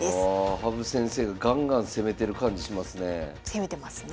羽生先生がガンガン攻めてる感じしますね。